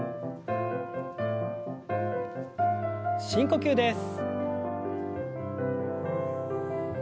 深呼吸です。